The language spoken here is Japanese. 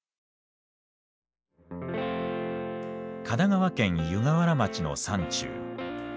神奈川県湯河原町の山中。